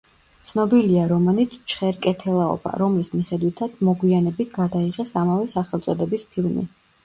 ცნობილია რომანით „ჩხერკეთელაობა“, რომლის მიხედვითაც მოგვიანებით გადაიღეს ამავე სახელწოდების ფილმი.